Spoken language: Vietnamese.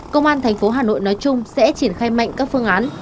công an thành phố hà nội nói chung sẽ triển khai mạnh các phương án